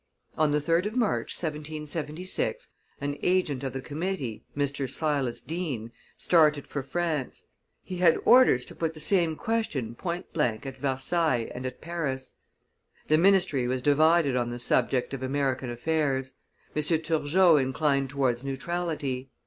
On the 3d of March, 1776, an agent of the committee, Mr. Silas Deane, started for France; he had orders to put the same question point blank at Versailles and at Paris. The ministry was divided on the subject of American affairs; M. Turgot inclined towards neutrality.